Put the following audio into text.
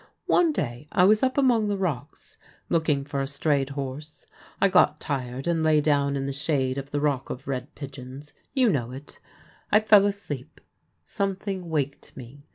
One day I was up among the rocks, looking for a straved horse. I got tired, and lay down in the shade of the Rock of Red Pigeons — you know it. I fell PARPON THE DWARF 219 asleep. Something waked me.